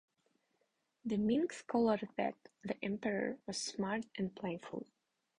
The Ming scholar that: The Emperor was smart and playful...